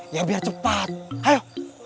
ya biar cepat hayo